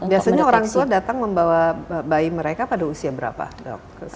biasanya orang tua datang membawa bayi mereka pada usia berapa dok